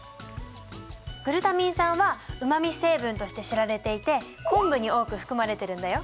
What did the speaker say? グルタミン酸はうまみ成分として知られていて昆布に多く含まれてるんだよ。